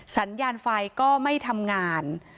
สัญญาณไฟก็ไม่ทำงาน